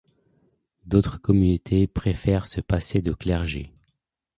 D'autres communautés préférèrent se passer de clergé.